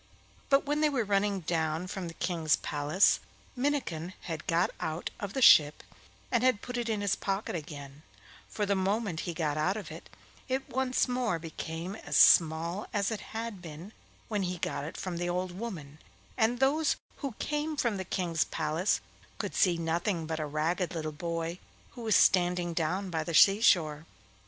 But while they were running down from the King's palace, Minnikin had got out of the ship and had put it in his pocket again; for the moment he got out of it, it once more became as small as it had been when he got it from the old woman, and those who came from the King's palace could see nothing but a ragged little boy who was standing down by the sea shore.